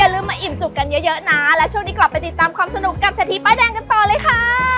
ลืมมาอิ่มจุกกันเยอะนะและช่วงนี้กลับไปติดตามความสนุกกับเศรษฐีป้ายแดงกันต่อเลยค่ะ